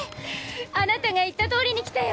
あなたが言ったとおりに来たよ！